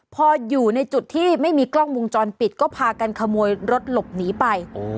พออยู่ในจุดที่ไม่มีกล้องวงจรปิดก็พากันขโมยรถหลบหนีไป